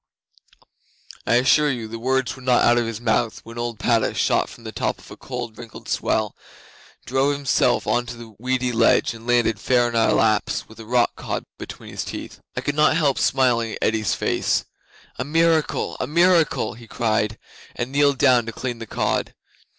'I assure you the words were not out of his mouth when old Padda shot from the top of a cold wrinkled swell, drove himself over the weedy ledge, and landed fair in our laps with a rock cod between his teeth. I could not help smiling at Eddi's face. "A miracle! A miracle!" he cried, and kneeled down to clean the cod.